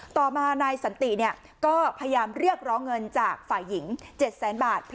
ต่อมานายสันติก็พยายามเรียกร้องเงินจากฝ่ายหญิง๗แสนบาท